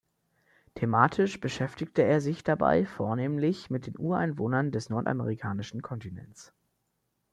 Thematisch beschäftigte er sich dabei vornehmlich mit den Ureinwohnern des nordamerikanischen Kontinents.